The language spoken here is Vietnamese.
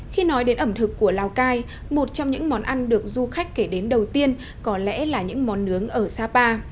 khi nói đến ẩm thực của lào cai một trong những món ăn được du khách kể đến đầu tiên có lẽ là những món nướng ở sapa